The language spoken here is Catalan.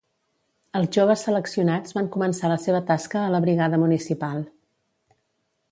Els joves seleccionats van començar la seva tasca a la brigada municipal